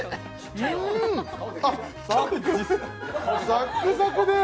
サックサクで。